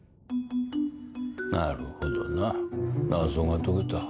なるほどな謎が解けた。